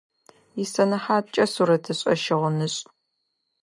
Исэнэхьаткӏэ сурэтышӏэ-щыгъынышӏ.